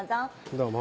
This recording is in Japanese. どうも。